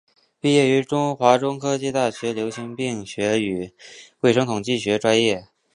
毕业于华中科技大学流行病学与卫生统计学专业。